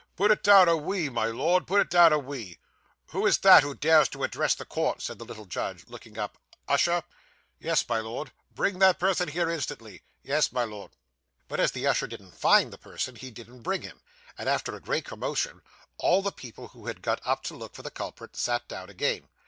Put it down a "we," my Lord, put it down a "we."' Who is that, who dares address the court?' said the little judge, looking up. 'Usher.' 'Yes, my Lord.' 'Bring that person here instantly.' 'Yes, my Lord.' But as the usher didn't find the person, he didn't bring him; and, after a great commotion, all the people who had got up to look for the culprit, sat down again.